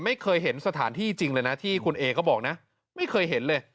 ไม่เคยเห็นสถานที่จริงเลยนะที่คุณเอก็บอกนะไม่เคยเห็นเลย